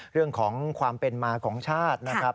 เรื่องของความเป็นมาของชาตินะครับ